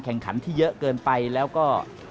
แข่งขันที่เยอะเกินไปแล้วก็